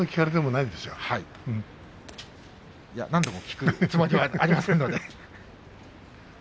いや、何度も聞くつもりはありませんので。